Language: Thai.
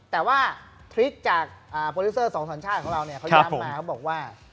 แต่ว่าทริคจากโปรดิวเซอร์สองสัญชาติของเราเนี่ยเขาย้ำมาเขาบอกว่า